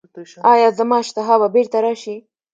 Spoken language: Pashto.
ایا زما اشتها به بیرته راشي؟